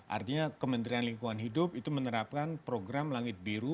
artinya kementerian lingkungan hidup itu menerapkan program langit biru